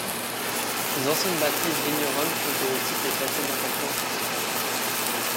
Ses anciennes bâtisses vigneronnes font que le site est classé d'importance nationale.